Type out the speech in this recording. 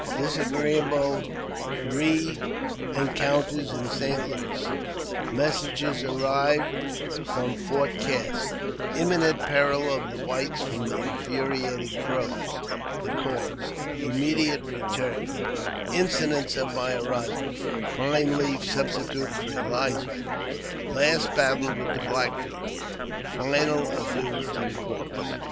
Disagreeable Rencounters in St. Louis — Messenger arrives from Fort Cass — Imminent Peril of the Whites from the infuriated Crows — The Cause — Immediate Return — Incidents of my Arrival — Pine Leaf substituted for Eliza— Last Battle with the Black Feet — Final Adieu to the Crows.